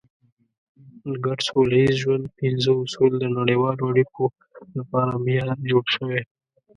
د ګډ سوله ییز ژوند پنځه اصول د نړیوالو اړیکو لپاره معیار جوړ شوی.